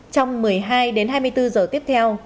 trong một mươi hai đến hai mươi bốn giờ tiếp theo